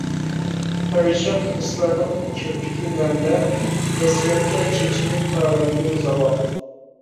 پەرىشان ھېسلارنىڭ كىرپىكى نەمدە، ھەسرەتتە چېچىنى تارايدۇ زاۋال.